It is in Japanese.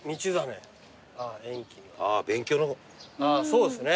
そうですね。